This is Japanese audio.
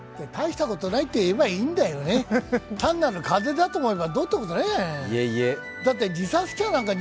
たいしたことないって言えばいいんだよね、単なる風邪だと思えば、どうってことないじゃない。